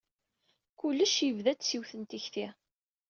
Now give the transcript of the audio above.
Kullec yebda-d s yiwet n tekti.